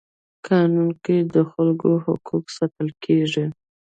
قانون کي د خلکو حقوق ساتل کيږي.